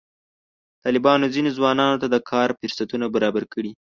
طالبانو ځینو ځوانانو ته د کار فرصتونه برابر کړي.